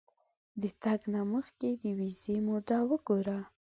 د تګ نه مخکې د ویزې موده وګوره.